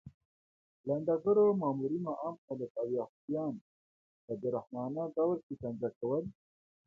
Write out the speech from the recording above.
لنډغرو مامورینو عام خلک او یهودان په بې رحمانه ډول شکنجه کول